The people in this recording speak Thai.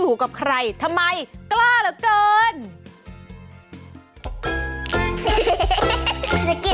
โอ้โฮมานั่งทำหน้าหมาอยู่ได้ยังไง